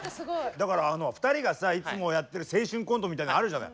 だから２人がさいつもやってる青春コントみたいなのあるじゃない。